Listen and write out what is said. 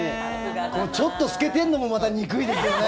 この、ちょっと透けてるのもまた憎いですよね。